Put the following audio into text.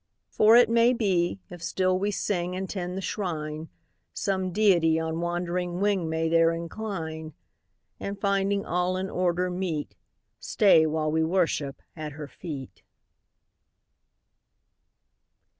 "For it may be, if still we sing And tend the Shrine, Some Deity on wandering wing May there incline; And, finding all in order meet, Stay while we worship at Her feet."